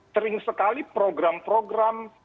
sering sekali program program